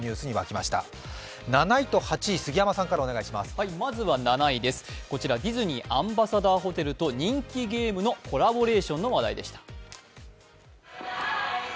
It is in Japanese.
まずは７位です、こちらディズニーアンバサダーホテルと人気ゲームのコラボレーションの話題でした。